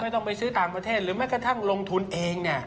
ต้องไปซื้อต่างประเทศหรือแม้กระทั่งลงทุนเอง